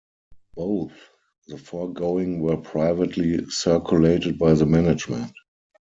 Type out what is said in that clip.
Both the foregoing were privately circulated by the management.